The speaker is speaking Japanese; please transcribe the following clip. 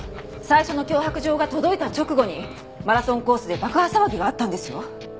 最初の脅迫状が届いた直後にマラソンコースで爆破騒ぎがあったんですよ。